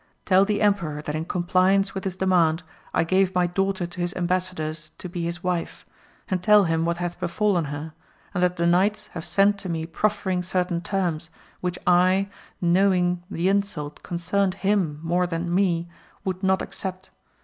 Tell the emperor that in compliance with his demand, I gave my daughter to his embassadors to be his wife, and tell him what hath befallen her, and that the knights have sent to me proffering certain terms, which I, knowing the insult concerned him more than me, would not accept.